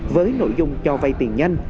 với nội dung cho vay tiền nhanh